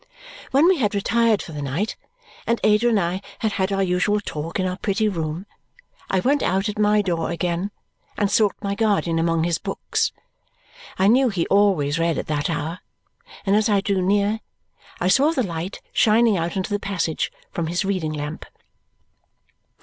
When we had retired for the night, and Ada and I had had our usual talk in our pretty room, I went out at my door again and sought my guardian among his books. I knew he always read at that hour, and as I drew near I saw the light shining out into the passage from his reading lamp.